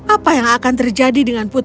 apa yang akan terjadi dengan putri